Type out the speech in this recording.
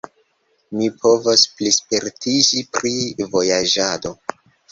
Mi povas plispertiĝi pri vojaĝado.